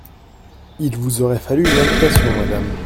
Il vous aurait fallu une invitation, madame.